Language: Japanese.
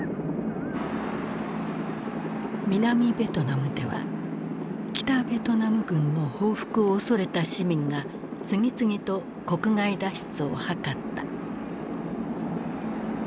南ベトナムでは北ベトナム軍の報復を恐れた市民が次々と国外脱出を図った。